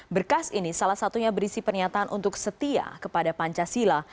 berkas ini salah satunya berisi pernyataan untuk setia kepada pancasila